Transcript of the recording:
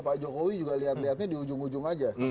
pak jokowi juga lihat lihatnya di ujung ujung aja